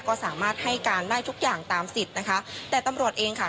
ก็สามารถให้การได้ทุกอย่างตามสิทธิ์นะคะแต่ตำรวจเองค่ะ